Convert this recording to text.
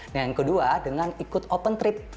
nah yang kedua dengan ikut open trip